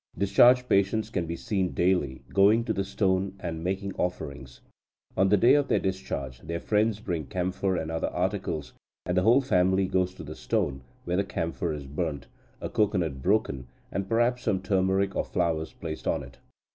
Discharged patients can be seen daily, going to the stone and making offerings. On the day of their discharge, their friends bring camphor and other articles, and the whole family goes to the stone, where the camphor is burnt, a cocoanut broken, and perhaps some turmeric or flowers placed on it.